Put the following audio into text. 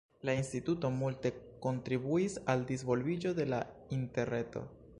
La instituto multe kontribuis al disvolviĝo de la Interreto.